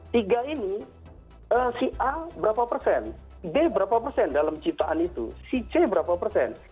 tiga ini si a berapa persen b berapa persen dalam ciptaan itu si c berapa persen